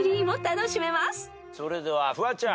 それではフワちゃん。